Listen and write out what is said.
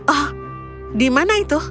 oh di mana itu